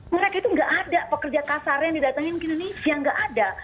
mereka itu nggak ada pekerja kasar yang didatangi mungkin indonesia nggak ada